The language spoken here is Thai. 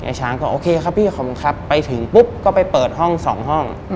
ช้างก็โอเคครับพี่คอมครับไปถึงปุ๊บก็ไปเปิดห้อง๒ห้อง